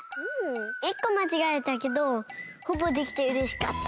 １こまちがえたけどほぼできてうれしかった。